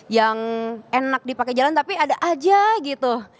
yang enak dipakai jalan tapi ada aja gitu